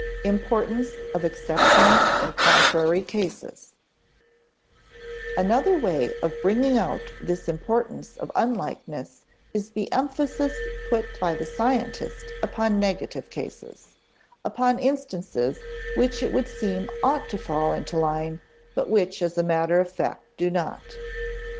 [Sidenote: Importance of exceptions and contrary cases] Another way of bringing out this importance of unlikeness is the emphasis put by the scientist upon negative cases upon instances which it would seem ought to fall into line but which as matter of fact do not.